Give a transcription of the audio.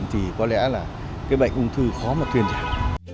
thì có lẽ là cái bệnh ung thư khó mà tuyên giả